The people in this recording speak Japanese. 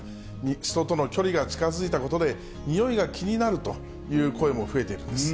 人との距離が近づいたことで、においが気になるという声も増えています。